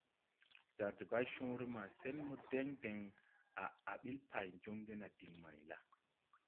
Jar debaywoore ma sen mo deŋ deŋ à á ɓil pay joŋge na diŋ may la? ».